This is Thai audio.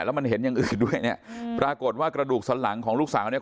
แล้วมันเห็นอย่างอื่นด้วยเนี่ยปรากฏว่ากระดูกสันหลังของลูกสาวเนี่ย